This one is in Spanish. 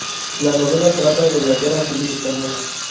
La novela trata de la guerra civil española.